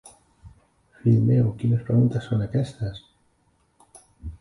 Fill meu, quines preguntes són aquestes!